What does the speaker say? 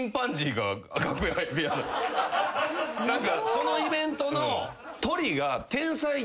そのイベントの。